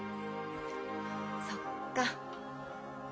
そっか。